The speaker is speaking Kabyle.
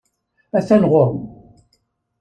Atan ɣer-m.